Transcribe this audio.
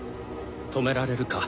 止められるか？